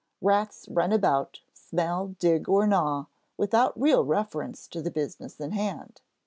"Rats run about, smell, dig, or gnaw, without real reference to the business in hand.